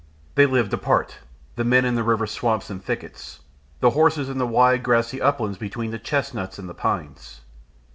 They lived apart the men in the river swamps and thickets, the horses on the wide grassy uplands between the chestnuts and the pines.